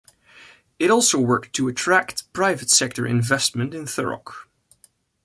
It also worked to attract private sector investment in Thurrock.